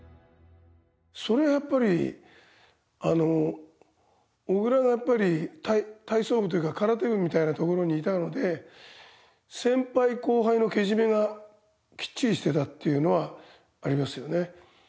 それはやっぱり小倉がやっぱり体操部というか空手部みたいなところにいたので先輩後輩のけじめがきっちりしてたっていうのはありますよね。